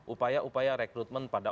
upaya upaya rekrutmen pada